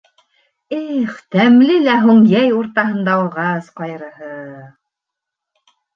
Эх, тәмле лә һуң йәй уртаһында ағас ҡайырыһы!